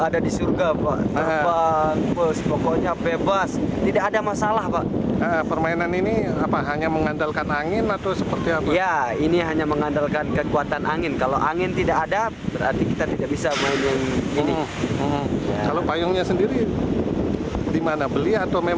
di mana beli atau memang menyewa di sini